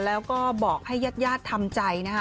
แล้วก็บอกให้ญาติญาติทำใจนะคะ